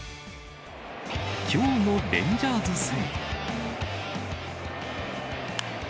きょうのレンジャーズ戦。